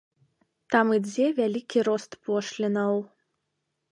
Там ідзе вялікі рост пошлінаў.